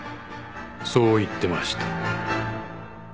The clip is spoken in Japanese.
そう言ってました。